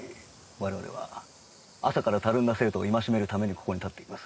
我々は朝からたるんだ生徒を戒めるためにここに立っています。